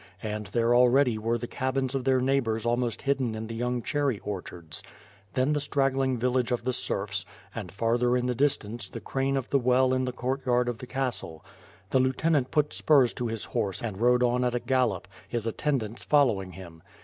And there already were the cabins of their neighbors almost hidden in the young cherry orchards. Then the straggling village of the serfs; and farther in the distance the crane of the well in the courtyard of the castle. The lieutenant put spurs to his horse and rode on at a gallop, his attendants fol lowing him.